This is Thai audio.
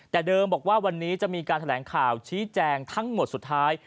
แต่เดิมบอกว่าวันนี้จะมีการแถลงข่าวชี้แจงทั้งหมดสุดท้าย